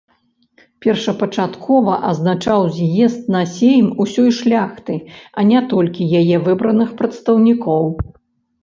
Першапачаткова азначаў з'езд на сейм усёй шляхты, а не толькі яе выбраных прадстаўнікоў.